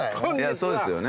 そうですよね